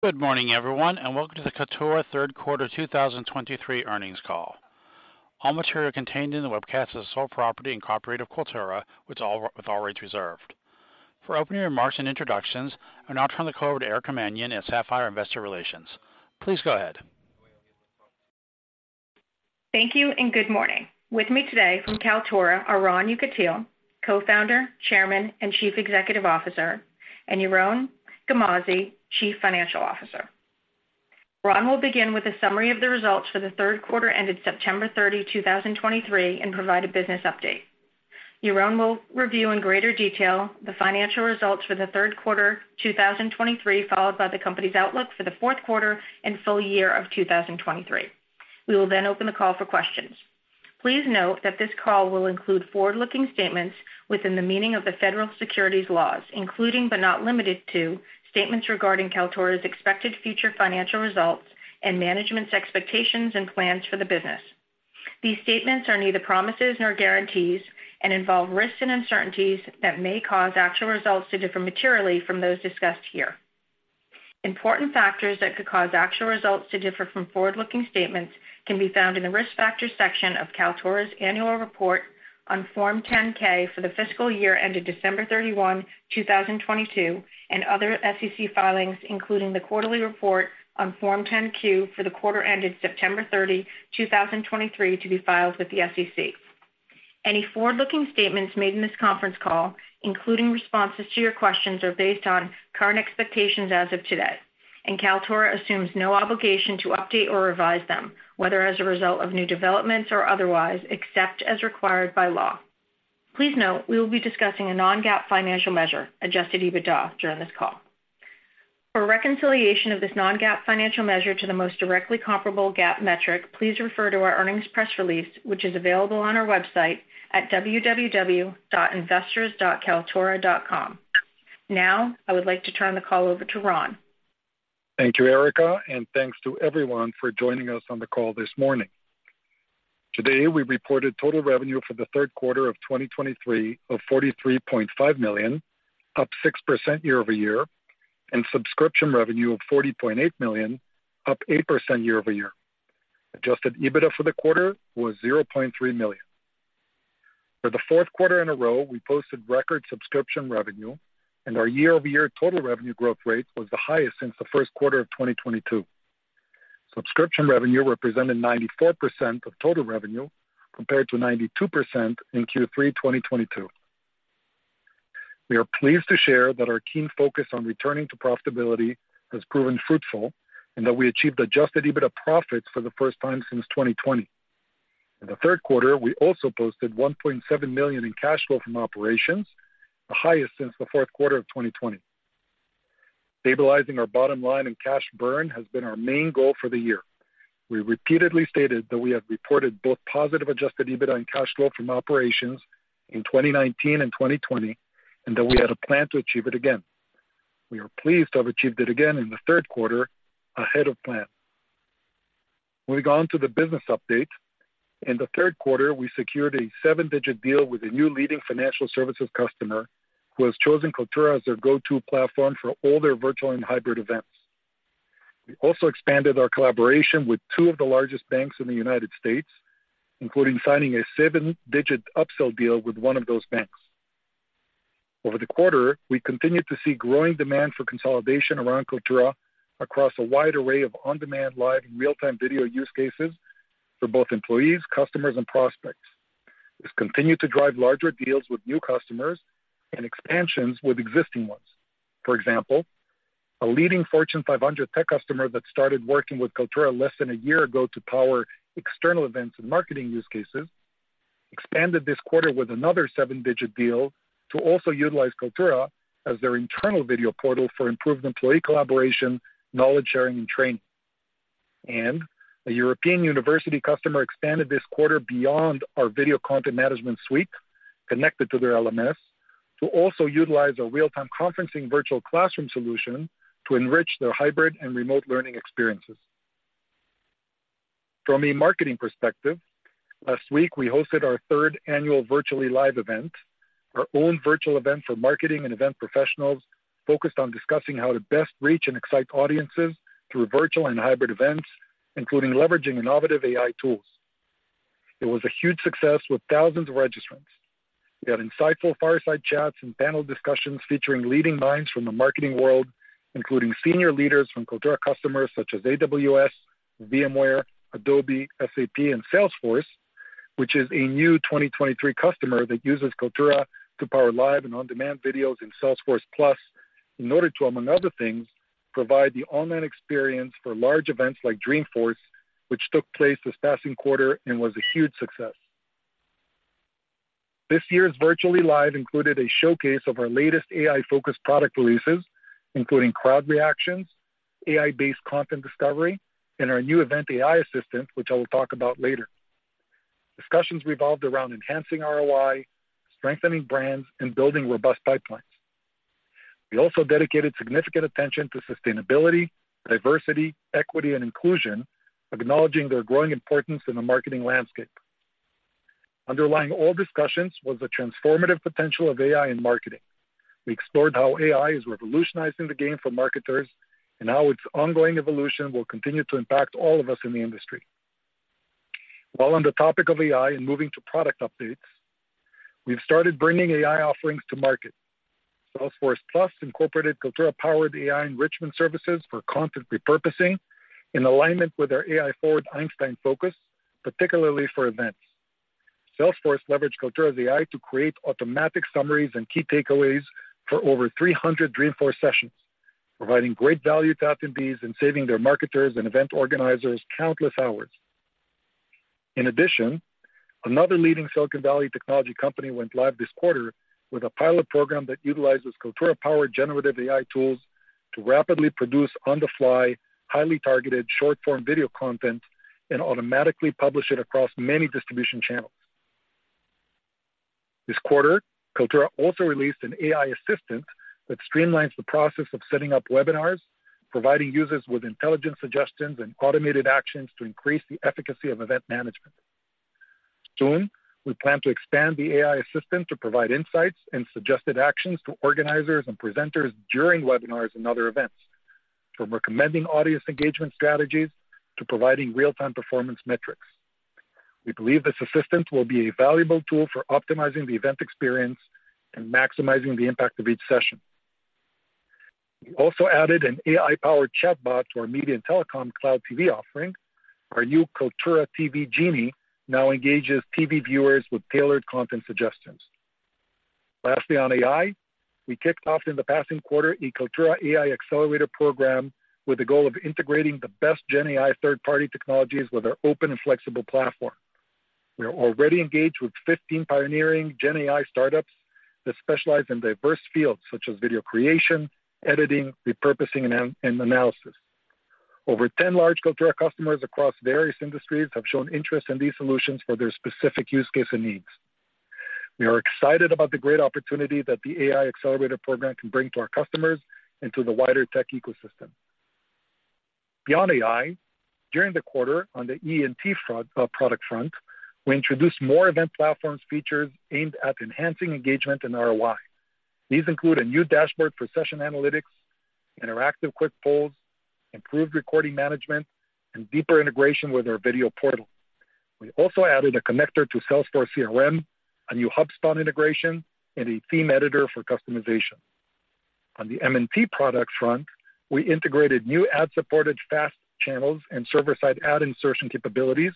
Good morning, everyone, and welcome to the Kaltura Q3 2023 earnings call. All material contained in the webcast is the sole property of Kaltura, with all rights reserved. For opening remarks and introductions, I'll now turn the call over to Erica Mannion at Sapphire Investor Relations. Please go ahead. Thank you, and good morning. With me today from Kaltura are Ron Yekutiel, Co-founder, Chairman, and Chief Executive Officer, and Yaron Garmazi, Chief Financial Officer. Ron will begin with a summary of the results for the Q3 ended September 30, 2023, and provide a business update. Yaron will review in greater detail the financial results for the Q3 2023, followed by the company's outlook for the Q4 and full year of 2023. We will then open the call for questions. Please note that this call will include forward-looking statements within the meaning of the federal securities laws, including, but not limited to, statements regarding Kaltura's expected future financial results and management's expectations and plans for the business. These statements are neither promises nor guarantees and involve risks and uncertainties that may cause actual results to differ materially from those discussed here. Important factors that could cause actual results to differ from forward-looking statements can be found in the Risk Factors section of Kaltura's annual report on Form 10-K for the fiscal year ended December 31, 2022, and other SEC filings, including the quarterly report on Form 10-Q for the quarter ended September 30, 2023, to be filed with the SEC. Any forward-looking statements made in this conference call, including responses to your questions, are based on current expectations as of today, and Kaltura assumes no obligation to update or revise them, whether as a result of new developments or otherwise, except as required by law. Please note, we will be discussing a non-GAAP financial measure, Adjusted EBITDA, during this call. For reconciliation of this non-GAAP financial measure to the most directly comparable GAAP metric, please refer to our earnings press release, which is available on our website at www.investors.kaltura.com. Now, I would like to turn the call over to Ron. Thank you, Erica, and thanks to everyone for joining us on the call this morning. Today, we reported total revenue for the Q3 of 2023 of $43.5 million, up 6% year-over-year, and subscription revenue of $40.8 million, up 8% year-over-year. Adjusted EBITDA for the quarter was $0.3 million. For the Q4 in a row, we posted record subscription revenue, and our year-over-year total revenue growth rate was the highest since the Q1 of 2022. Subscription revenue represented 94% of total revenue, compared to 92% in Q3 2022. We are pleased to share that our keen focus on returning to profitability has proven fruitful and that we achieved adjusted EBITDA profits for the first time since 2020. In the Q3, we also posted $1.7 million in cash flow from operations, the highest since the Q4 of 2020. Stabilizing our bottom line and cash burn has been our main goal for the year. We repeatedly stated that we have reported both positive Adjusted EBITDA and cash flow from operations in 2019 and 2020, and that we had a plan to achieve it again. We are pleased to have achieved it again in the Q3 ahead of plan. Moving on to the business update. In the Q3, we secured a seven-digit deal with a new leading financial services customer, who has chosen Kaltura as their go-to platform for all their virtual and hybrid events. We also expanded our collaboration with two of the largest banks in the United States, including signing a seven-digit upsell deal with one of those banks. Over the quarter, we continued to see growing demand for consolidation around Kaltura across a wide array of on-demand, live, and real-time video use cases for both employees, customers, and prospects. This continued to drive larger deals with new customers and expansions with existing ones. For example, a leading Fortune 500 tech customer that started working with Kaltura less than a year ago to power external events and marketing use cases expanded this quarter with another seven-digit deal to also utilize Kaltura as their internal video portal for improved employee collaboration, knowledge sharing, and training. A European university customer expanded this quarter beyond our video content management suite, connected to their LMS, to also utilize a real-time conferencing virtual classroom solution to enrich their hybrid and remote learning experiences. From a marketing perspective, last week, we hosted our third annual Virtually Live event, our own virtual event for marketing and event professionals, focused on discussing how to best reach and excite audiences through virtual and hybrid events, including leveraging innovative AI tools. It was a huge success with thousands of registrants. We had insightful fireside chats and panel discussions featuring leading minds from the marketing world, including senior leaders from Kaltura customers such as AWS, VMware, Adobe, SAP, and Salesforce, which is a new 2023 customer that uses Kaltura to power live and on-demand videos in Salesforce+ in order to, among other things, provide the online experience for large events like Dreamforce, which took place this past quarter and was a huge success. This year's Virtually Live included a showcase of our latest AI-focused product releases, including crowd reactions, AI-based content discovery, and our new event, AI Assistant, which I will talk about later. Discussions revolved around enhancing ROI, strengthening brands, and building robust pipelines. We also dedicated significant attention to sustainability, diversity, equity, and inclusion, acknowledging their growing importance in the marketing landscape. Underlying all discussions was the transformative potential of AI in marketing. We explored how AI is revolutionizing the game for marketers and how its ongoing evolution will continue to impact all of us in the industry. While on the topic of AI and moving to product updates, we've started bringing AI offerings to market. Salesforce+ incorporated Kaltura-powered AI enrichment services for content repurposing in alignment with our AI-forward Einstein focus, particularly for events. Salesforce leveraged Kaltura AI to create automatic summaries and key takeaways for over 300 Dreamforce sessions, providing great value to attendees and saving their marketers and event organizers countless hours. In addition, another leading Silicon Valley technology company went live this quarter with a pilot program that utilizes Kaltura-powered generative AI tools to rapidly produce on-the-fly, highly targeted, short-form video content and automatically publish it across many distribution channels. This quarter, Kaltura also released an AI assistant that streamlines the process of setting up webinars, providing users with intelligent suggestions and automated actions to increase the efficacy of event management. Soon, we plan to expand the AI assistant to provide insights and suggested actions to organizers and presenters during webinars and other events, from recommending audience engagement strategies to providing real-time performance metrics. We believe this assistant will be a valuable tool for optimizing the event experience and maximizing the impact of each session. We also added an AI-powered chatbot to our media and telecom cloud TV offering. Our new Kaltura TV Genie now engages TV viewers with tailored content suggestions. Lastly, on AI, we kicked off in the past quarter a Kaltura AI accelerator program with the goal of integrating the best Gen AI third-party technologies with our open and flexible platform. We are already engaged with 15 pioneering Gen AI startups that specialize in diverse fields such as video creation, editing, repurposing, and analysis. Over 10 large Kaltura customers across various industries have shown interest in these solutions for their specific use case and needs. We are excited about the great opportunity that the AI accelerator program can bring to our customers and to the wider tech ecosystem. Beyond AI, during the quarter, on the EE&T front, product front, we introduced more event platforms features aimed at enhancing engagement and ROI. These include a new dashboard for session analytics, interactive quick polls, improved recording management, and deeper integration with our video portal. We also added a connector to Salesforce CRM, a new HubSpot integration, and a theme editor for customization. On the M&T product front, we integrated new ad-supported FAST channels and server-side ad insertion capabilities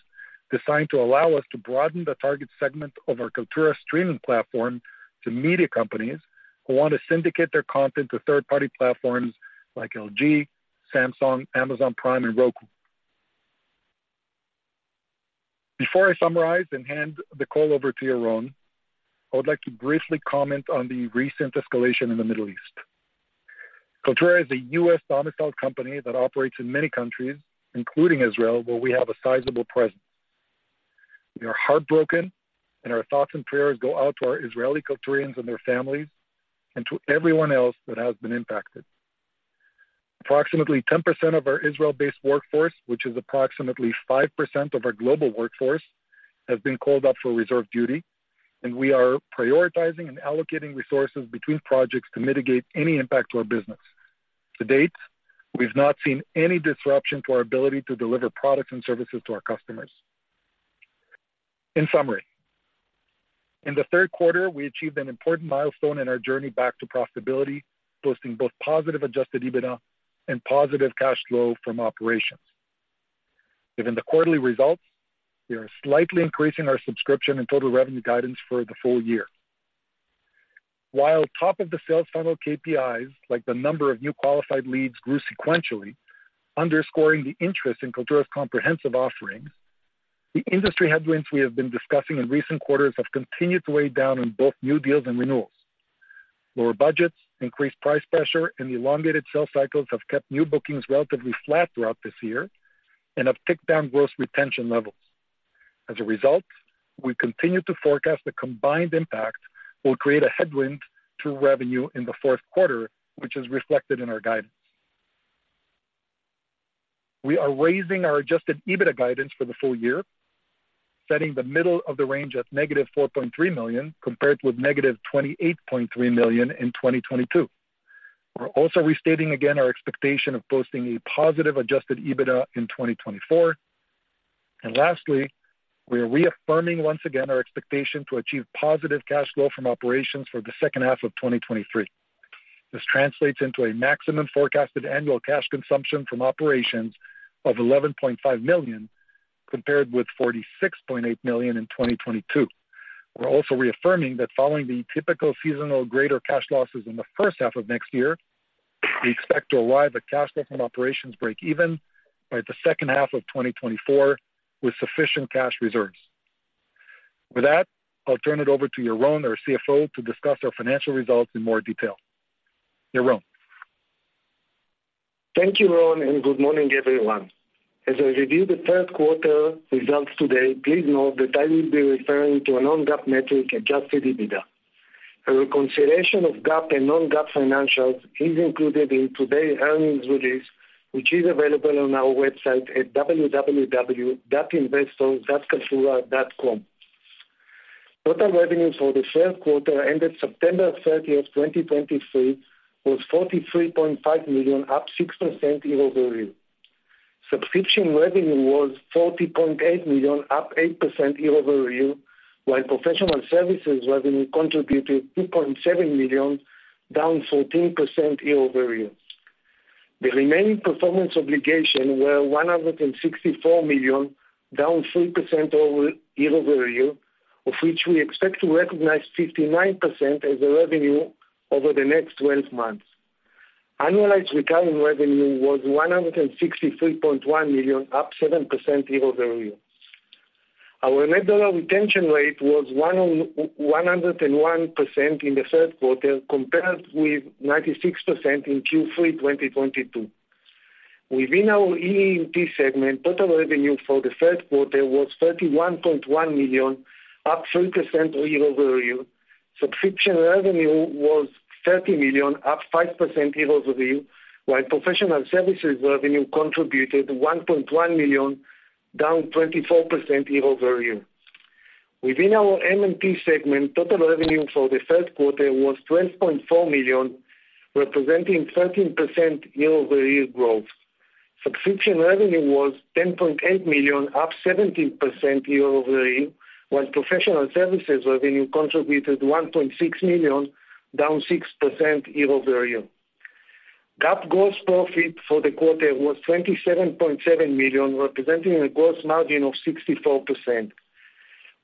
designed to allow us to broaden the target segment of our Kaltura streaming platform to media companies who want to syndicate their content to third-party platforms like LG, Samsung, Amazon Prime, and Roku. Before I summarize and hand the call over to Yaron, I would like to briefly comment on the recent escalation in the Middle East. Kaltura is a U.S.-domiciled company that operates in many countries, including Israel, where we have a sizable presence. We are heartbroken, and our thoughts and prayers go out to our Israeli Kalturians and their families, and to everyone else that has been impacted. Approximately 10% of our Israel-based workforce, which is approximately 5% of our global workforce, has been called up for reserve duty, and we are prioritizing and allocating resources between projects to mitigate any impact to our business. To date, we've not seen any disruption to our ability to deliver products and services to our customers. In summary, in the Q3, we achieved an important milestone in our journey back to profitability, posting both positive adjusted EBITDA and positive cash flow from operations. Given the quarterly results, we are slightly increasing our subscription and total revenue guidance for the full year. While top of the sales funnel KPIs, like the number of new qualified leads, grew sequentially, underscoring the interest in Kaltura's comprehensive offerings, the industry headwinds we have been discussing in recent quarters have continued to weigh down on both new deals and renewals. Lower budgets, increased price pressure, and elongated sales cycles have kept new bookings relatively flat throughout this year and have ticked down gross retention levels. As a result, we continue to forecast the combined impact will create a headwind to revenue in the Q4, which is reflected in our guidance. We are raising our adjusted EBITDA guidance for the full year, setting the middle of the range at -$4.3 million, compared with -$28.3 million in 2022. We're also restating again our expectation of posting a positive adjusted EBITDA in 2024. And lastly, we are reaffirming once again our expectation to achieve positive cash flow from operations for the H2 of 2023. This translates into a maximum forecasted annual cash consumption from operations of $11.5 million, compared with $46.8 million in 2022. We're also reaffirming that following the typical seasonal greater cash losses in the H1 of next year, we expect to arrive at cash flow from operations break even by the H2 of 2024, with sufficient cash reserves. With that, I'll turn it over to Yaron, our CFO, to discuss our financial results in more detail. Yaron? Thank you, Ron, and good morning, everyone. As I review the Q3 results today, please note that I will be referring to a non-GAAP metric, Adjusted EBITDA. A reconciliation of GAAP and non-GAAP financials is included in today's earnings release, which is available on our website at www.investor.kaltura.com. Total revenue for the Q3 ended September 30, 2023, was $43.5 million, up 6% year-over-year. Subscription revenue was $40.8 million, up 8% year-over-year, while professional services revenue contributed $2.7 million, down 14% year-over-year. The remaining performance obligations were $164 million, down 3% year-over-year, of which we expect to recognize 59% as revenue over the next twelve months. Annualized recurring revenue was $163.1 million, up 7% year-over-year. Our net dollar retention rate was 101% in the Q3, compared with 96% in Q3 2022. Within our EE&T segment, total revenue for the Q3 was $31.1 million, up 3% year-over-year. Subscription revenue was $30 million, up 5% year-over-year, while professional services revenue contributed $1.1 million, down 24% year-over-year. Within our M&T segment, total revenue for the Q3 was $12.4 million, representing 13% year-over-year growth. Subscription revenue was $10.8 million, up 17% year-over-year, while professional services revenue contributed $1.6 million, down 6% year-over-year. GAAP gross profit for the quarter was $27.7 million, representing a gross margin of 64%.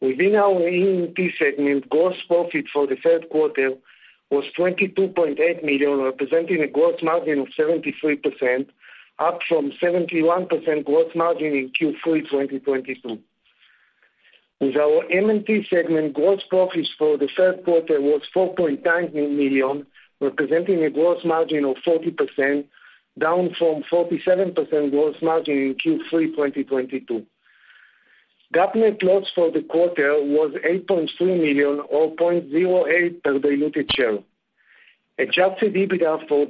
Within our EE&T segment, gross profit for the Q3 was $22.8 million, representing a gross margin of 73%, up from 71% gross margin in Q3 2022. With our M&T segment, gross profits for the Q3 was $4.9 million, representing a gross margin of 40%, down from 47% gross margin in Q3 2022. GAAP net loss for the quarter was $8.3 million, or $0.08 per diluted share. Adjusted EBITDA for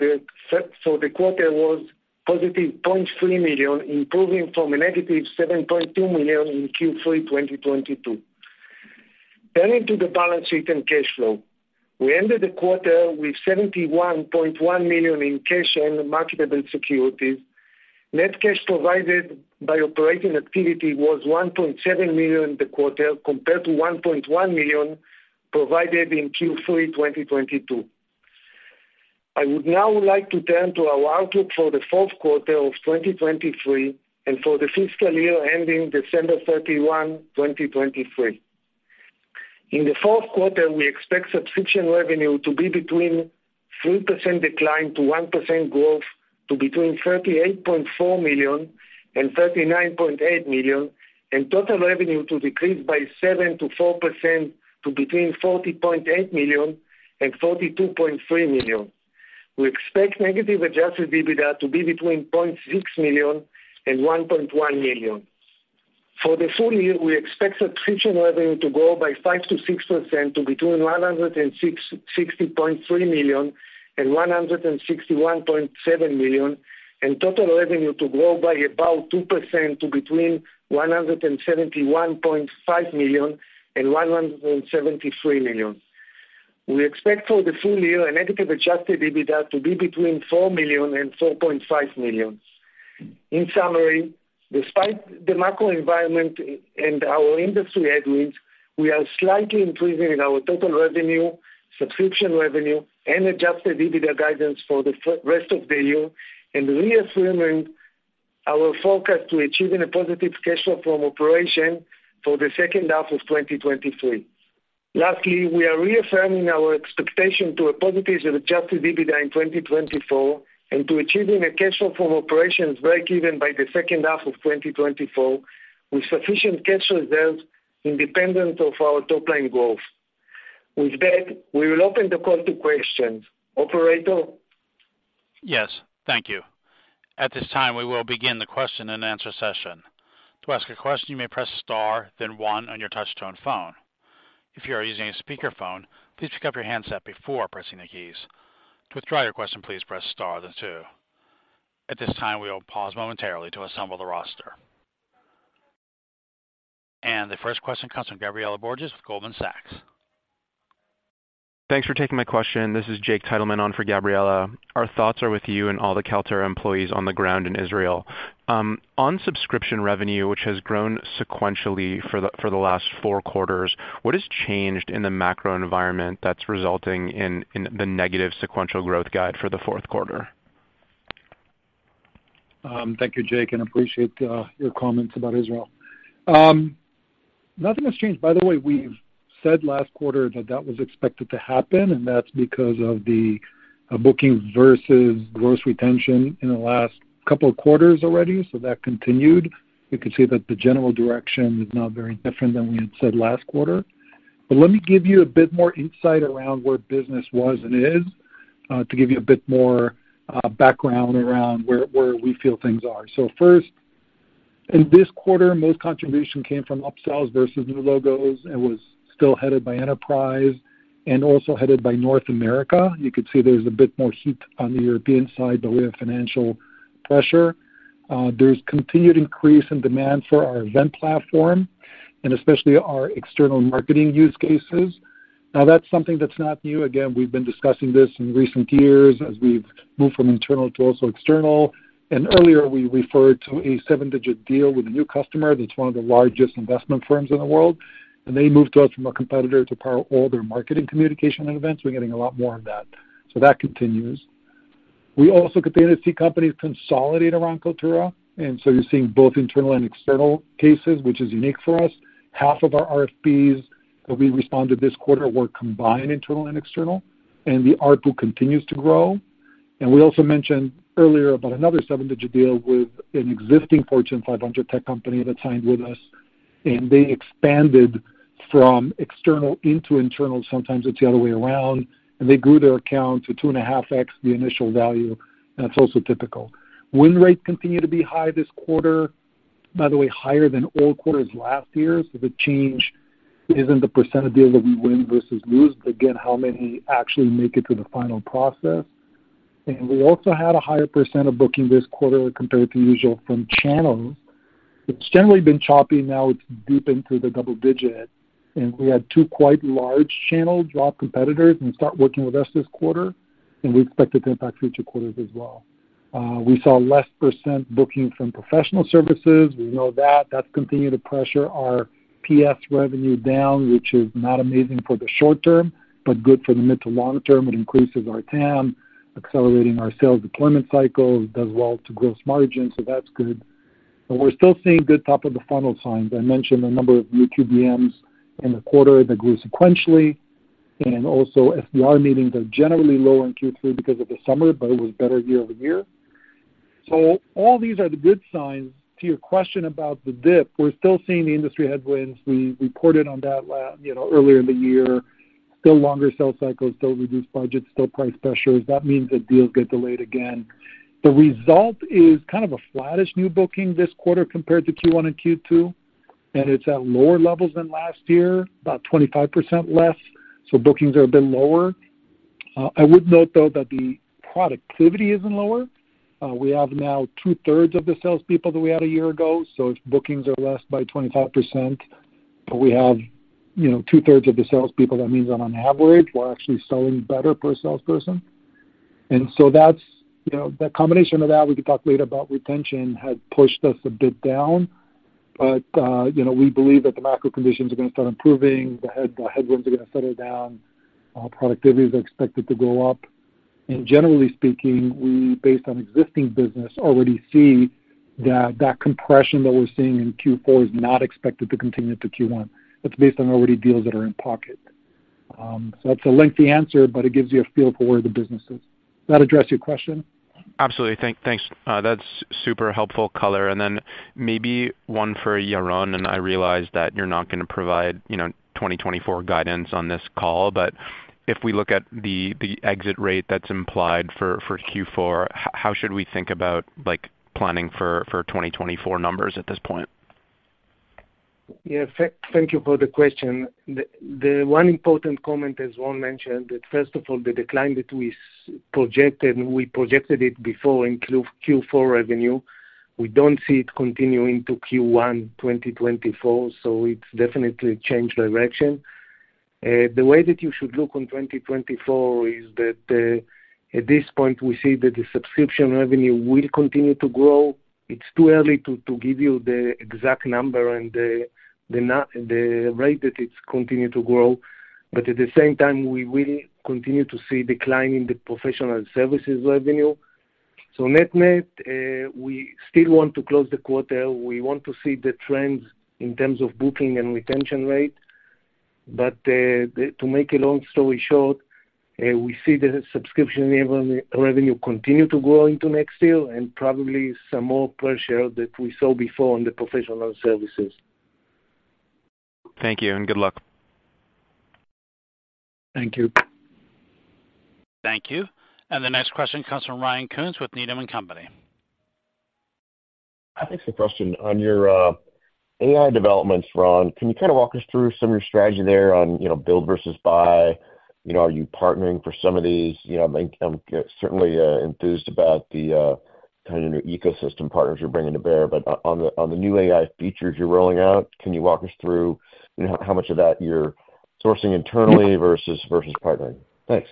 the quarter was positive $0.3 million, improving from a negative $7.2 million in Q3 2022. Turning to the balance sheet and cash flow. We ended the quarter with $71.1 million in cash and marketable securities. Net cash provided by operating activity was $1.7 million in the quarter, compared to $1.1 million provided in Q3 2022. I would now like to turn to our outlook for the Q4 of 2023 and for the fiscal year ending December 31, 2023. In the Q4, we expect subscription revenue to be between 3% decline to 1% growth, to between $38.4 million and $39.8 million, and total revenue to decrease by 7% to 4% to between $40.8 million and $42.3 million. We expect negative adjusted EBITDA to be between $0.6 million and $1.1 million. For the full year, we expect subscription revenue to grow by 5%-6% to between $160.3 million and $161.7 million, and total revenue to grow by about 2% to between $171.5 million and $173 million. We expect for the full year, a negative Adjusted EBITDA to be between $4 million and $4.5 million. In summary, despite the macro environment and our industry headwinds, we are slightly improving in our total revenue, subscription revenue, and Adjusted EBITDA guidance for the rest of the year and reaffirming our forecast to achieving a positive cash flow from operation for the H2 of 2023. Lastly, we are reaffirming our expectation to a positive Adjusted EBITDA in 2024, and to achieving a cash flow from operations breakeven by the H2 of 2024, with sufficient cash reserves independent of our top-line growth. With that, we will open the call to questions. Operator? Yes, thank you. At this time, we will begin the question and answer session. To ask a question, you may press star then one on your touchtone phone. If you are using a speakerphone, please pick up your handset before pressing the keys. To withdraw your question, please press star then two. At this time, we will pause momentarily to assemble the roster. The first question comes from Gabriela Borges with Goldman Sachs. Thanks for taking my question. This is Jake Teitelman on for Gabriela. Our thoughts are with you and all the Kaltura employees on the ground in Israel. On subscription revenue, which has grown sequentially for the last Q4, what has changed in the macro environment that's resulting in the negative sequential growth guide for the Q4? Thank you, Jake, and appreciate your comments about Israel. Nothing has changed. By the way, we've said last quarter that that was expected to happen, and that's because of the bookings versus gross retention in the last couple of quarters already, so that continued. You can see that the general direction is not very different than we had said last quarter. But let me give you a bit more insight around where business was and is, to give you a bit more background around where we feel things are. So first-... In this quarter, most contribution came from upsells versus new logos, and was still headed by enterprise and also headed by North America. You could see there's a bit more heat on the European side, but we have financial pressure. There's continued increase in demand for our event platform and especially our external marketing use cases. Now, that's something that's not new. Again, we've been discussing this in recent years as we've moved from internal to also external. And earlier, we referred to a seven-digit deal with a new customer that's one of the largest investment firms in the world, and they moved to us from a competitor to power all their marketing, communication, and events. We're getting a lot more of that, so that continues. We also get the MNC companies consolidate around Kaltura, and so you're seeing both internal and external cases, which is unique for us. Half of our RFPs that we responded this quarter were combined, internal and external, and the ARPU continues to grow. We also mentioned earlier about another seven-digit deal with an existing Fortune 500 tech company that signed with us, and they expanded from external into internal. Sometimes it's the other way around, and they grew their account to 2.5x the initial value, and that's also typical. Win rates continue to be high this quarter, by the way, higher than all quarters last year. The change isn't the % of deals that we win versus lose, but again, how many actually make it to the final process? We also had a higher percent of booking this quarter compared to usual from channels. It's generally been choppy. Now it's deep into the double digit, and we had 2 quite large channel drop competitors and start working with us this quarter, and we expect it to impact future quarters as well. We saw less percent booking from professional services. We know that that's continued to pressure our PS revenue down, which is not amazing for the short term, but good for the mid to long term. It increases our TAM, accelerating our sales deployment cycle. It does well to gross margin, so that's good. We're still seeing good top-of-the-funnel signs. I mentioned a number of new SQLs in the quarter that grew sequentially, and also SDR meetings are generally low in Q3 because of the summer, but it was better year-over-year. So all these are the good signs. To your question about the dip, we're still seeing the industry headwinds. We reported on that—you know, earlier in the year. Still longer sales cycles, still reduced budgets, still price pressures. That means that deals get delayed again. The result is kind of a flattish new booking this quarter compared to Q1 and Q2, and it's at lower levels than last year, about 25% less. So bookings are a bit lower. I would note, though, that the productivity isn't lower. We have now two-thirds of the salespeople than we had a year ago, so if bookings are less by 25%, but we have, you know, two-thirds of the salespeople, that means that on average, we're actually selling better per salesperson. And so that's, you know, the combination of that, we could talk later about retention, has pushed us a bit down. But, you know, we believe that the macro conditions are going to start improving, the headwinds are going to settle down. Productivity is expected to go up, and generally speaking, we, based on existing business, already see that that compression that we're seeing in Q4 is not expected to continue to Q1. That's based on already deals that are in pocket. So that's a lengthy answer, but it gives you a feel for where the business is. Does that address your question? Absolutely. Thanks, that's super helpful color. And then maybe one for Yaron, and I realize that you're not gonna provide, you know, 2024 guidance on this call, but if we look at the exit rate that's implied for Q4, how should we think about like, planning for 2024 numbers at this point? Yeah, thank you for the question. The one important comment, as Ron mentioned, that first of all, the decline that we projected, and we projected it before in Q4 revenue, we don't see it continuing to Q1 2024. So it's definitely changed direction. The way that you should look on 2024 is that, at this point, we see that the subscription revenue will continue to grow. It's too early to give you the exact number and the, the nu-- the rate that it's continued to grow, but at the same time, we will continue to see decline in the professional services revenue. So net-net, we still want to close the quarter. We want to see the trends in terms of booking and retention rate. But, to make a long story short, we see the subscription revenue continue to grow into next year and probably some more pressure that we saw before on the professional services. Thank you, and good luck. Thank you. Thank you. The next question comes from Ryan Koontz with Needham & Company. Thanks for the question. On your AI developments, Ron, can you kind of walk us through some of your strategy there on, you know, build versus buy? You know, are you partnering for some of these? You know, I'm certainly enthused about the kind of new ecosystem partners you're bringing to bear, but on the new AI features you're rolling out, can you walk us through, you know, how much of that you're sourcing internally versus partnering? Thanks.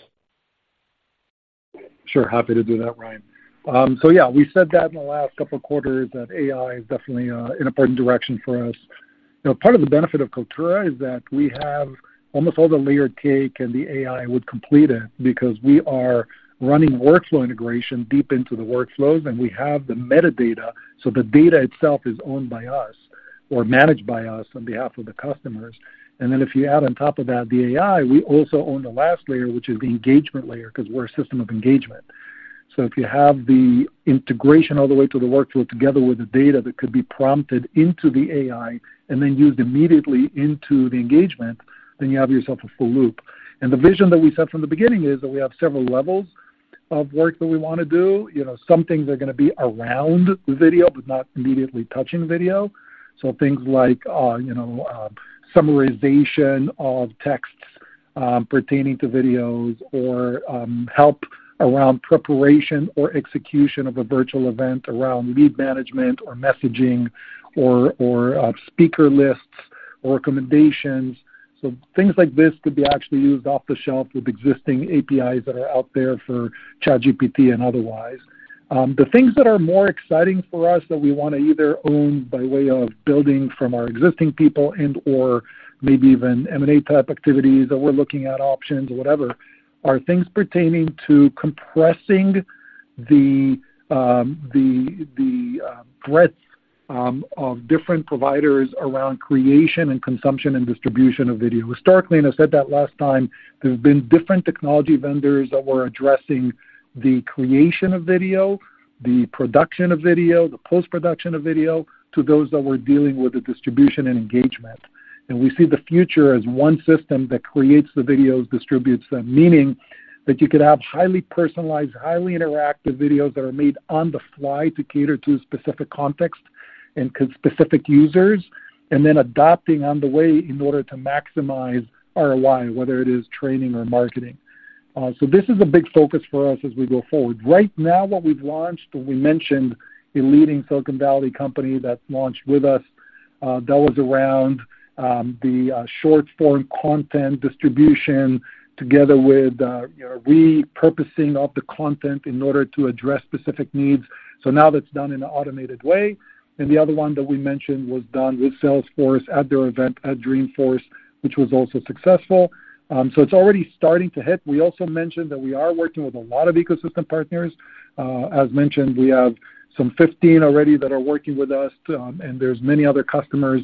Sure. Happy to do that, Ryan. So yeah, we said that in the last couple of quarters, that AI is definitely an important direction for us. You know, part of the benefit of Kaltura is that we have almost all the layered cake, and the AI would complete it because we are running workflow integration deep into the workflows, and we have the metadata, so the data itself is owned by us or managed by us on behalf of the customers. And then if you add on top of that, the AI, we also own the last layer, which is the engagement layer, because we're a system of engagement. So if you have the integration all the way to the workflow together with the data that could be prompted into the AI and then used immediately into the engagement, then you have yourself a full loop. The vision that we set from the beginning is that we have several levels of work that we want to do. You know, some things are going to be around video, but not immediately touching video. So things like, you know, summarization of texts pertaining to videos or help around preparation or execution of a virtual event around lead management or messaging or speaker lists or recommendations. So things like this could be actually used off the shelf with existing APIs that are out there for ChatGPT and otherwise. The things that are more exciting for us that we want to either own by way of building from our existing people and/or maybe even M&A type activities, that we're looking at options or whatever, are things pertaining to compressing the breadth of different providers around creation and consumption and distribution of video. Historically, and I said that last time, there's been different technology vendors that were addressing the creation of video, the production of video, the post-production of video, to those that were dealing with the distribution and engagement. And we see the future as one system that creates the videos, distributes them, meaning that you could have highly personalized, highly interactive videos that are made on the fly to cater to a specific context and specific users, and then adapting on the way in order to maximize ROI, whether it is training or marketing. So this is a big focus for us as we go forward. Right now, what we've launched, and we mentioned a leading Silicon Valley company that's launched with us, that was around the short-form content distribution together with, you know, repurposing of the content in order to address specific needs. So now that's done in an automated way. And the other one that we mentioned was done with Salesforce at their event at Dreamforce, which was also successful. So it's already starting to hit. We also mentioned that we are working with a lot of ecosystem partners. As mentioned, we have some 15 already that are working with us, and there's many other customers,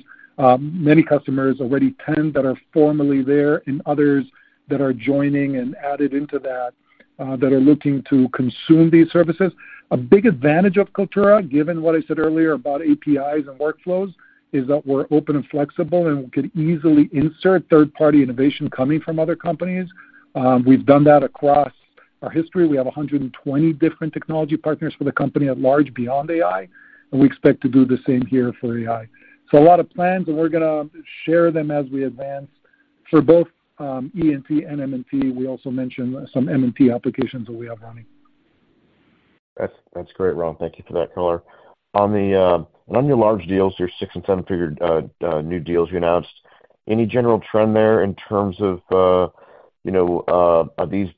many customers, already 10, that are formally there and others that are joining and added into that, that are looking to consume these services. A big advantage of Kaltura, given what I said earlier about APIs and workflows, is that we're open and flexible, and we could easily insert third-party innovation coming from other companies. We've done that across our history. We have 120 different technology partners for the company at large beyond AI, and we expect to do the same here for AI. So a lot of plans, and we're gonna share them as we advance. For both, EMP and M&T, we also mentioned some M&T applications that we have running. That's great, Ron. Thank you for that color. On your large deals, your 6- and 7-figure new deals you announced, any general trend there in terms of, you know, are these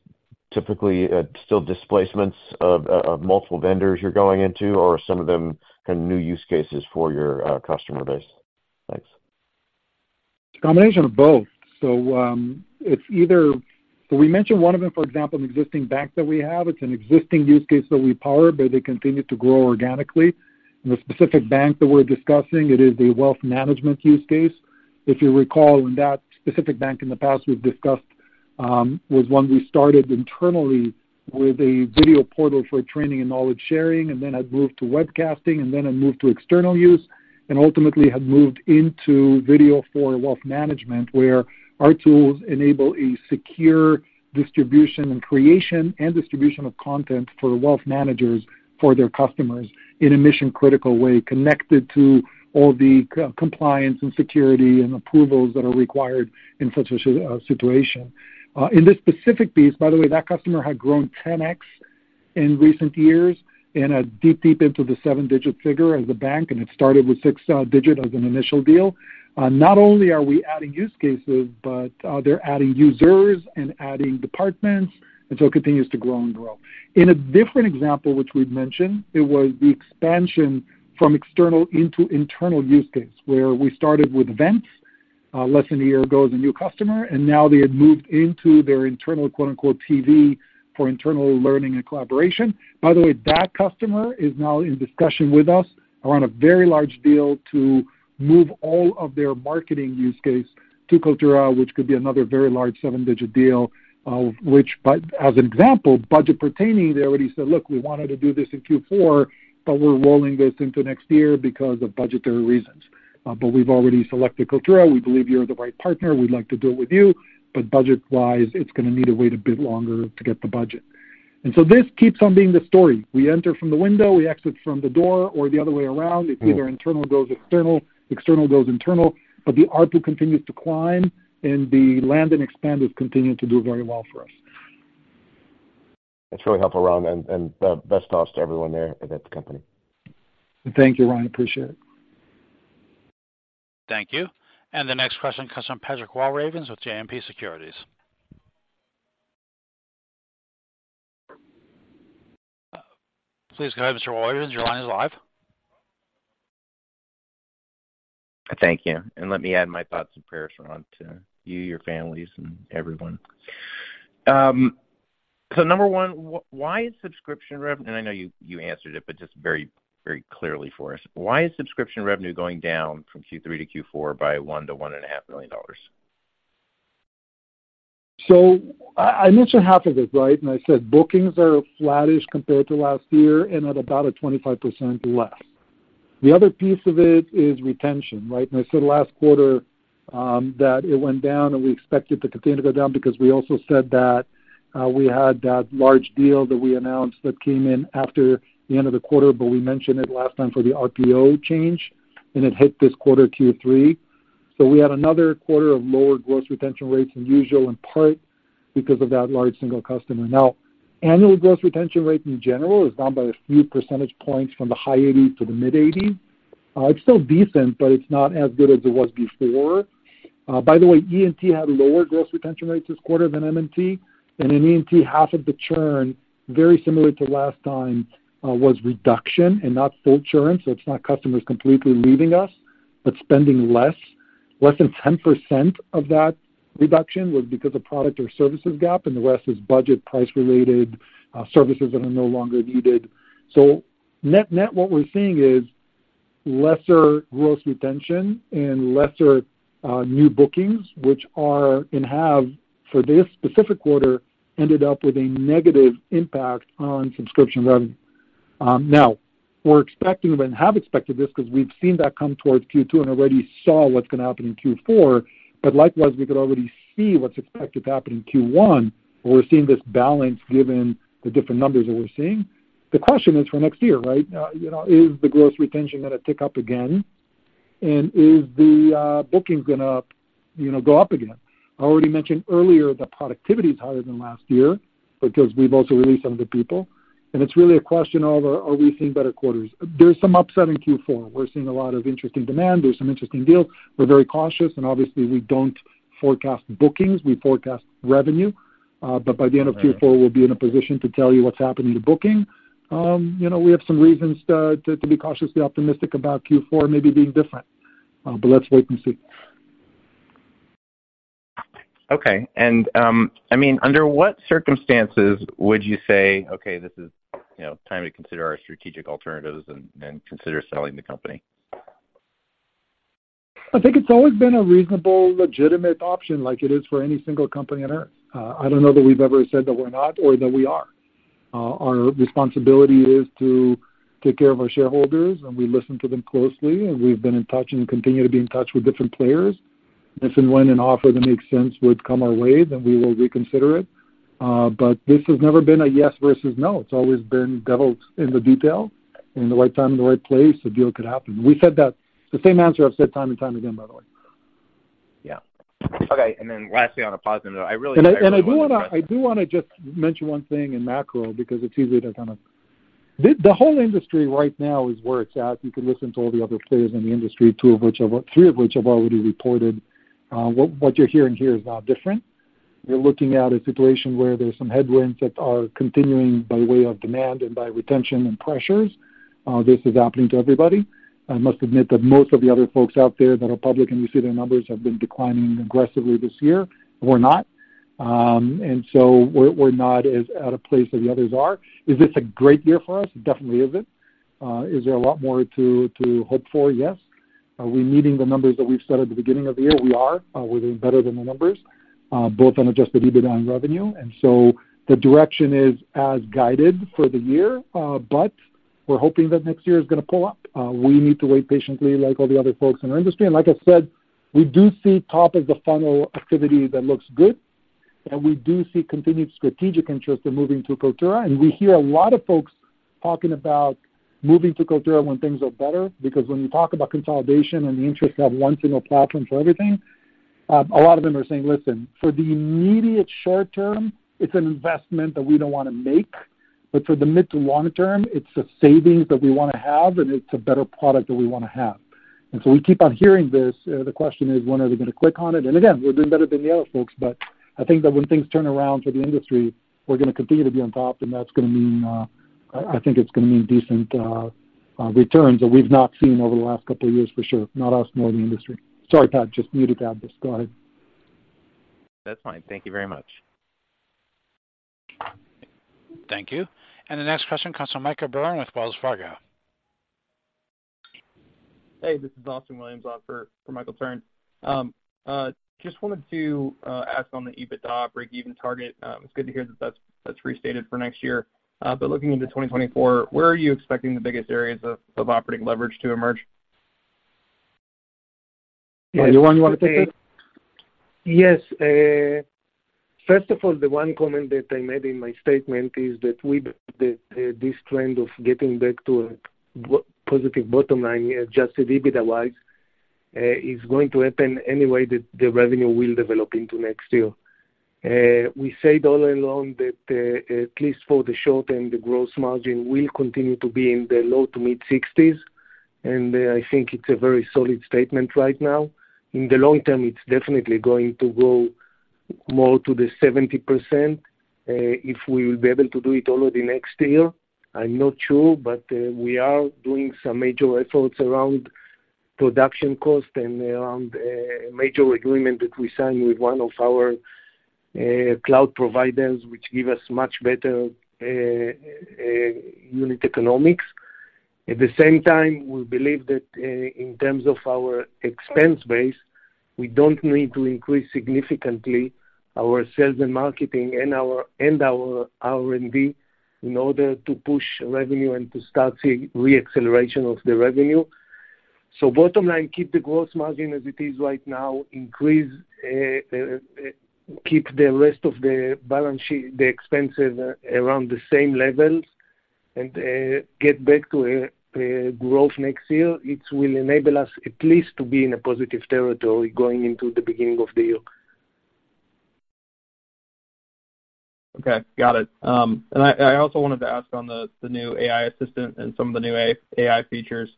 typically still displacements of multiple vendors you're going into, or are some of them kind of new use cases for your customer base? Thanks. Combination of both. So, it's either... So we mentioned one of them, for example, an existing bank that we have. It's an existing use case that we power, but they continue to grow organically. The specific bank that we're discussing, it is a wealth management use case. If you recall, in that specific bank in the past, we've discussed was one we started internally with a video portal for training and knowledge sharing, and then had moved to webcasting, and then it moved to external use, and ultimately, had moved into video for wealth management, where our tools enable a secure distribution and creation and distribution of content for wealth managers, for their customers in a mission-critical way, connected to all the compliance and security and approvals that are required in such a situation. In this specific piece, by the way, that customer had grown 10x in recent years and are deep, deep into the seven-digit figure as a bank, and it started with six-digit as an initial deal. Not only are we adding use cases, but they're adding users and adding departments, and so it continues to grow and grow. In a different example, which we've mentioned, it was the expansion from external into internal use case, where we started with events less than a year ago as a new customer, and now they had moved into their internal, quote-unquote, "TV" for internal learning and collaboration. By the way, that customer is now in discussion with us around a very large deal to move all of their marketing use case to Kaltura, which could be another very large seven-digit deal, of which by... As an example, budget pertaining, they already said, "Look, we wanted to do this in Q4, but we're rolling this into next year because of budgetary reasons. But we've already selected Kaltura. We believe you're the right partner. We'd like to do it with you, but budget-wise, it's going to need to wait a bit longer to get the budget." And so this keeps on being the story. We enter from the window, we exit from the door, or the other way around. It's either internal goes external, external goes internal, but the ARPU continues to climb, and the land and expand has continued to do very well for us. That's really helpful, Ron, and best regards to everyone there at the company. Thank you, Ron. I appreciate it. Thank you. The next question comes from Patrick Walravens with JMP Securities. Please go ahead, Mr. Walravens. Your line is live. Thank you. Let me add my thoughts and prayers, Ron, to you, your families, and everyone. So number one, why is subscription revenue, and I know you answered it, but just very, very clearly for us. Why is subscription revenue going down from Q3 to Q4 by $1-$1.5 million? So I, I mentioned half of it, right? And I said bookings are flattish compared to last year and at about a 25% less. The other piece of it is retention, right? And I said last quarter, that it went down, and we expect it to continue to go down because we also said that, we had that large deal that we announced that came in after the end of the quarter, but we mentioned it last time for the RPO change, and it hit this quarter, Q3. So we had another quarter of lower gross retention rates than usual, in part because of that large single customer. Now, annual gross retention rate in general is down by a few percentage points from the high 80s% to the mid-80s%. It's still decent, but it's not as good as it was before. By the way, ENT had lower gross retention rates this quarter than MNT, and in ENT, half of the churn, very similar to last time, was reduction and not full churn. So it's not customers completely leaving us, but spending less. Less than 10% of that reduction was because of product or services gap, and the rest is budget, price-related, services that are no longer needed. So net, net, what we're seeing is lesser gross retention and lesser, new bookings, which are and have, for this specific quarter, ended up with a negative impact on subscription revenue. Now, we're expecting and have expected this because we've seen that come towards Q2 and already saw what's going to happen in Q4. But likewise, we could already see what's expected to happen in Q1, where we're seeing this balance given the different numbers that we're seeing. The question is for next year, right? You know, is the gross retention going to tick up again, and is the bookings gonna, you know, go up again? I already mentioned earlier, the productivity is higher than last year because we've also released some of the people, and it's really a question of, are we seeing better quarters? There's some upside in Q4. We're seeing a lot of interesting demand. There's some interesting deals. We're very cautious, and obviously, we don't forecast bookings. We forecast revenue. But by the end of Q4, we'll be in a position to tell you what's happening to booking. You know, we have some reasons to be cautiously optimistic about Q4 maybe being different, but let's wait and see. Okay. And, I mean, under what circumstances would you say, "Okay, this is, you know, time to consider our strategic alternatives and, and consider selling the company? I think it's always been a reasonable, legitimate option like it is for any single company on earth. I don't know that we've ever said that we're not or that we are. Our responsibility is to take care of our shareholders, and we listen to them closely, and we've been in touch and continue to be in touch with different players. If and when an offer that makes sense would come our way, then we will reconsider it. But this has never been a yes versus no. It's always been devil in the detail, in the right time, in the right place, a deal could happen. We said that the same answer I've said time and time again, by the way. Yeah. Okay, and then lastly, on a positive note, I really- I do wanna just mention one thing in macro, because it's easy to kind of... The whole industry right now is where it's at. You can listen to all the other players in the industry, three of which have already reported. What you're hearing here is not different. We're looking at a situation where there's some headwinds that are continuing by way of demand and by retention and pressures. This is happening to everybody. I must admit that most of the other folks out there that are public, and we see their numbers, have been declining aggressively this year. We're not. And so we're not as at a place that the others are. Is this a great year for us? Definitely is it. Is there a lot more to hope for? Yes. Are we meeting the numbers that we've set at the beginning of the year? We are. We're doing better than the numbers, both on Adjusted EBITDA and revenue, and so the direction is as guided for the year, but we're hoping that next year is going to pull up. We need to wait patiently like all the other folks in our industry, and like I said, we do see top of the funnel activity that looks good, and we do see continued strategic interest in moving to Kaltura. We hear a lot of folks talking about moving to Kaltura when things are better, because when you talk about consolidation and the interest of one single platform for everything, a lot of them are saying, "Listen, for the immediate short term, it's an investment that we don't want to make, but for the mid to long term, it's a savings that we want to have, and it's a better product that we want to have." And so we keep on hearing this. The question is: When are they going to click on it? And again, we're doing better than the other folks, but I think that when things turn around for the industry, we're going to continue to be on top, and that's going to mean, I think it's going to mean decent returns that we've not seen over the last couple of years, for sure. Not us, nor the industry. Sorry, Pat, just muted that. Go ahead. That's fine. Thank you very much. Thank you. The next question comes from Michael Turits with Wells Fargo. Hey, this is Austin Williams on for Michael Turits. Just wanted to ask on the EBITDA breakeven target. It's good to hear that that's restated for next year. But looking into 2024, where are you expecting the biggest areas of operating leverage to emerge? Anyone want to take this? Yes. First of all, the one comment that I made in my statement is that this trend of getting back to a positive bottom line, Adjusted EBITDA-wise, is going to happen any way that the revenue will develop into next year. We said all along that, at least for the short term, the gross margin will continue to be in the low-to-mid 60s, and I think it's a very solid statement right now. In the long term, it's definitely going to go more to the 70%. If we will be able to do it already next year, I'm not sure, but we are doing some major efforts around production cost and around a major agreement that we signed with one of our cloud providers, which give us much better unit economics. At the same time, we believe that, in terms of our expense base, we don't need to increase significantly our sales and marketing and our R&D in order to push revenue and to start the reacceleration of the revenue. So bottom line, keep the gross margin as it is right now, keep the rest of the balance sheet, the expenses around the same levels, and get back to growth next year. It will enable us at least to be in a positive territory going into the beginning of the year. Okay, got it. And I also wanted to ask on the new AI assistant and some of the new AI features.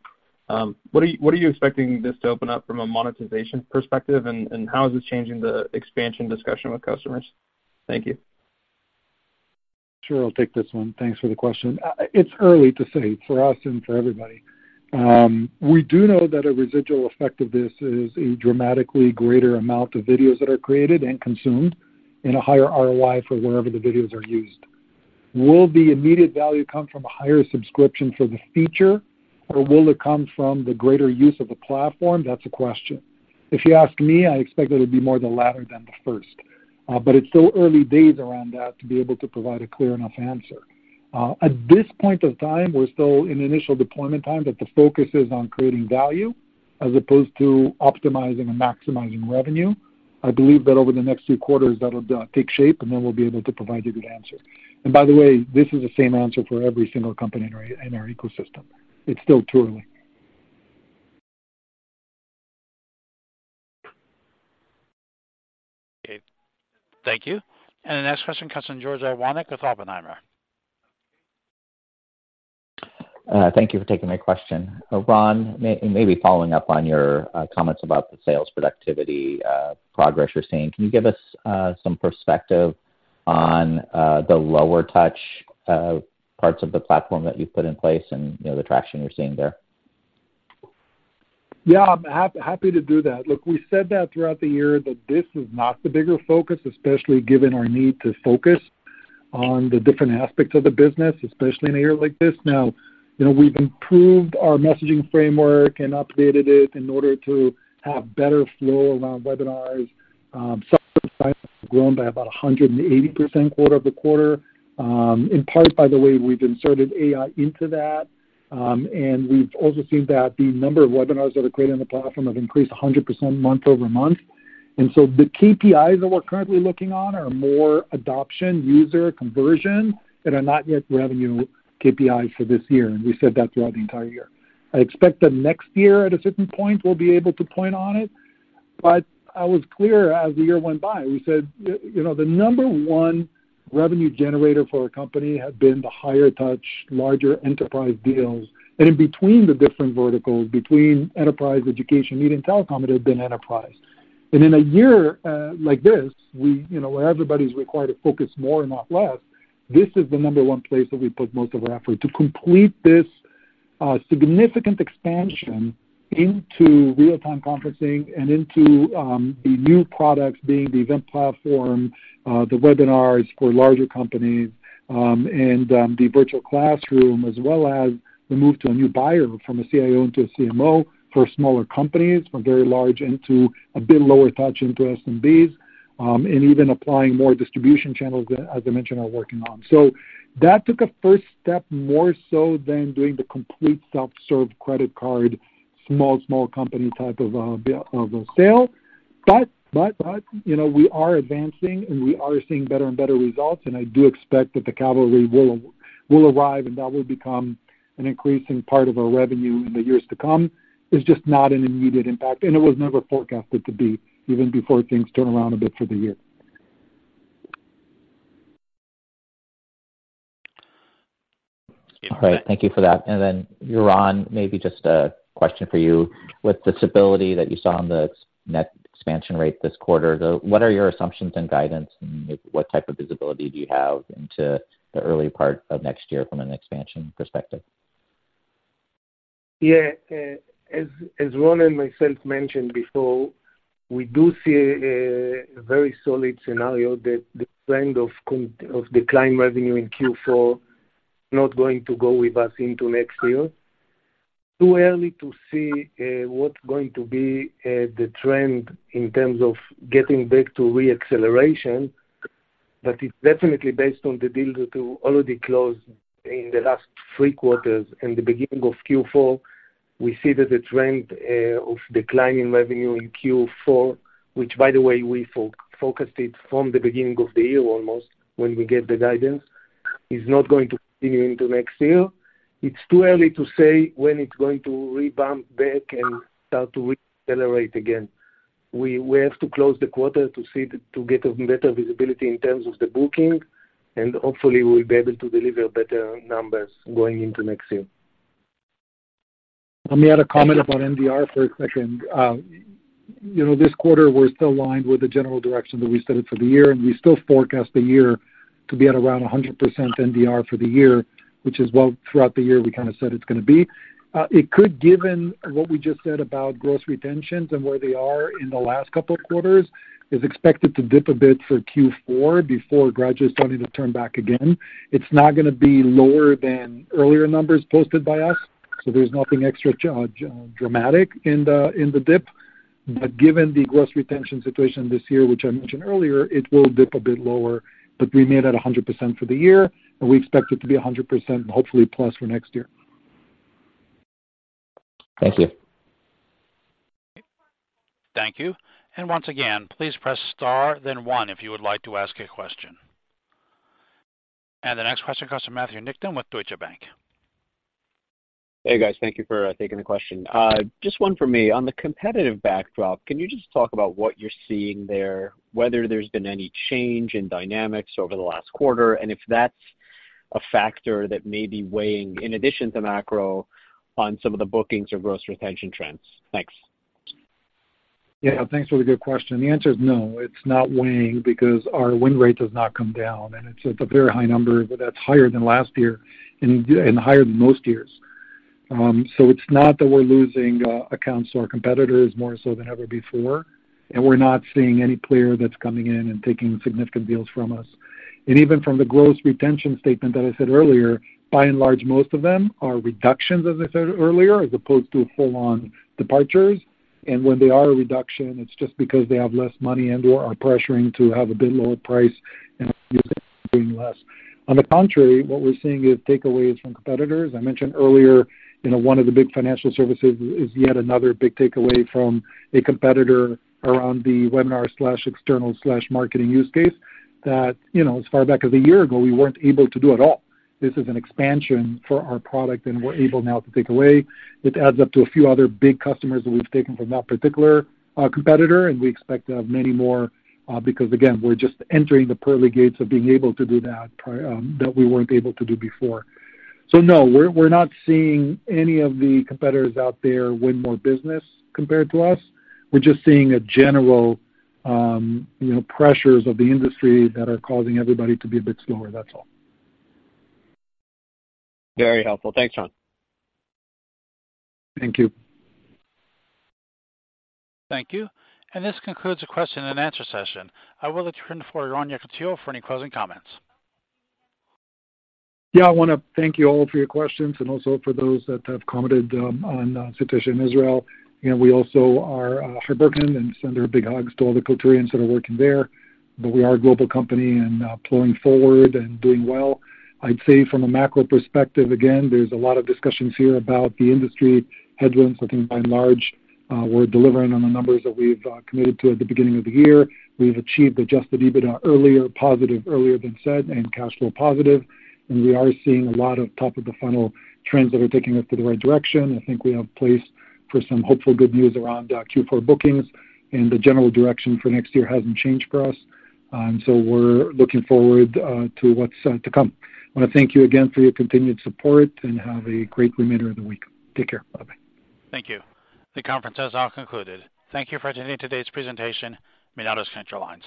What are you expecting this to open up from a monetization perspective, and how is this changing the expansion discussion with customers? Thank you. Sure, I'll take this one. Thanks for the question. It's early to say for us and for everybody. We do know that a residual effect of this is a dramatically greater amount of videos that are created and consumed, and a higher ROI for wherever the videos are used. Will the immediate value come from a higher subscription for this feature, or will it come from the greater use of the platform? That's a question. If you ask me, I expect it'll be more the latter than the first, but it's still early days around that to be able to provide a clear enough answer. At this point of time, we're still in initial deployment time, but the focus is on creating value as opposed to optimizing and maximizing revenue. I believe that over the next few quarters, that'll take shape, and then we'll be able to provide you a good answer. By the way, this is the same answer for every single company in our ecosystem. It's still too early. Okay. Thank you. The next question comes from George Iwanyc with Oppenheimer. Thank you for taking my question. Ron, maybe following up on your comments about the sales productivity progress you're seeing. Can you give us some perspective on the lower touch parts of the platform that you've put in place and, you know, the traction you're seeing there? Yeah, I'm happy to do that. Look, we said that throughout the year that this is not the bigger focus, especially given our need to focus on the different aspects of the business, especially in a year like this. Now, you know, we've improved our messaging framework and updated it in order to have better flow around webinars. Self-service has grown by about 180% quarter-over-quarter, in part, by the way, we've inserted AI into that. And we've also seen that the number of webinars that are created on the platform have increased 100% month-over-month. And so the KPIs that we're currently looking on are more adoption, user conversion, that are not yet revenue KPIs for this year, and we said that throughout the entire year. I expect that next year, at a certain point, we'll be able to point on it, but I was clear as the year went by, we said, you know, the number one revenue generator for our company had been the higher touch, larger enterprise deals. And in between the different verticals, between enterprise, education, media, and telecom, it had been enterprise. In a year like this, you know, where everybody's required to focus more, not less, this is the number one place that we put most of our effort to complete this significant expansion into real-time conferencing and into the new products being the event platform, the webinars for larger companies, and the virtual classroom, as well as the move to a new buyer, from a CIO into a CMO for smaller companies, from very large into a bit lower touch into SMBs, and even applying more distribution channels, as I mentioned, are working on. So that took a first step, more so than doing the complete self-serve credit card, small, small company type of a sale. But, you know, we are advancing, and we are seeing better and better results, and I do expect that the cavalry will arrive and that will become an increasing part of our revenue in the years to come. It's just not an immediate impact, and it was never forecasted to be, even before things turn around a bit for the year. All right, thank you for that. And then, Yaron, maybe just a question for you. With this ability that you saw on the net expansion rate this quarter, what are your assumptions and guidance, and what type of visibility do you have into the early part of next year from an expansion perspective? Yeah, as Ron and myself mentioned before, we do see a very solid scenario that the trend of decline revenue in Q4 not going to go with us into next year. Too early to see what's going to be the trend in terms of getting back to reacceleration, but it's definitely based on the deals that we already closed in the last Q3 and the beginning of Q4. We see that the trend of declining revenue in Q4, which by the way, we focused it from the beginning of the year almost, when we gave the guidance, is not going to continue into next year. It's too early to say when it's going to rebound back and start to reaccelerate again. We have to close the quarter to see to get a better visibility in terms of the booking, and hopefully we'll be able to deliver better numbers going into next year. Let me add a comment about NDR for a second. You know, this quarter, we're still aligned with the general direction that we set it for the year, and we still forecast the year to be at around 100% NDR for the year, which is what throughout the year we kind of said it's gonna be. It could, given what we just said about gross retentions and where they are in the last couple of quarters, is expected to dip a bit for Q4 before gradually starting to turn back again. It's not gonna be lower than earlier numbers posted by us. So there's nothing extra dramatic in the dip. But given the gross retention situation this year, which I mentioned earlier, it will dip a bit lower, but we made it 100% for the year, and we expect it to be 100%, hopefully, plus for next year. Thank you. Thank you. And once again, please press star, then one if you would like to ask a question. And the next question comes from Matthew Niknam with Deutsche Bank. Hey, guys. Thank you for taking the question. Just one for me. On the competitive backdrop, can you just talk about what you're seeing there, whether there's been any change in dynamics over the last quarter, and if that's a factor that may be weighing, in addition to macro, on some of the bookings or gross retention trends? Thanks. Yeah, thanks for the good question. The answer is no, it's not weighing because our win rate does not come down, and it's at a very high number that's higher than last year and higher than most years. So it's not that we're losing accounts to our competitors more so than ever before, and we're not seeing any player that's coming in and taking significant deals from us. And even from the gross retention statement that I said earlier, by and large, most of them are reductions, as I said earlier, as opposed to full-on departures. And when they are a reduction, it's just because they have less money and/or are pressuring to have a bit lower price and doing less. On the contrary, what we're seeing is takeaways from competitors. I mentioned earlier, you know, one of the big financial services is yet another big takeaway from a competitor around the webinar/external/marketing use case that, you know, as far back as a year ago, we weren't able to do at all. This is an expansion for our product, and we're able now to take away. It adds up to a few other big customers that we've taken from that particular competitor, and we expect to have many more because, again, we're just entering the pearly gates of being able to do that we weren't able to do before. So no, we're, we're not seeing any of the competitors out there win more business compared to us. We're just seeing a general, you know, pressures of the industry that are causing everybody to be a bit slower. That's all. Very helpful. Thanks, Ron. Thank you. Thank you. This concludes the question and answer session. I will let you turn it over to Ron Yekutiel for any closing comments. Yeah, I wanna thank you all for your questions and also for those that have commented on the situation in Israel. You know, we also are heartbroken and send our big hugs to all the Kalturians that are working there. But we are a global company and plowing forward and doing well. I'd say from a macro perspective, again, there's a lot of discussions here about the industry headwinds. I think by and large, we're delivering on the numbers that we've committed to at the beginning of the year. We've achieved Adjusted EBITDA earlier, positive earlier than said and cash flow positive, and we are seeing a lot of top of the funnel trends that are taking us to the right direction. I think we have place for some hopeful good news around Q4 bookings, and the general direction for next year hasn't changed for us. So we're looking forward to what's to come. I wanna thank you again for your continued support, and have a great remainder of the week. Take care. Bye-bye. Thank you. The conference has now concluded. Thank you for attending today's presentation, You may now disconnect your lines.